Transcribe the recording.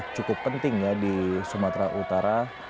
cukup penting ya di sumatera utara